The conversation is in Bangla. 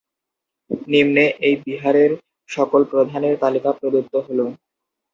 নিম্নে এই বিহারের সকল প্রধানের তালিকা প্রদত্ত হল।